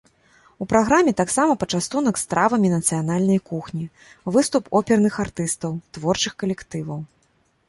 У праграме таксама пачастунак стравамі нацыянальнай кухні, выступ оперных артыстаў, творчых калектываў.